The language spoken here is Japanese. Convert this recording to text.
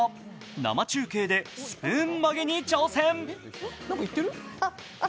生中継でスプーン曲げに挑戦。